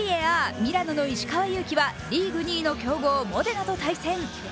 ミラノの石川祐希はリーグ２位の強豪モデナと対戦。